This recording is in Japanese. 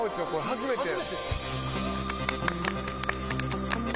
初めてや。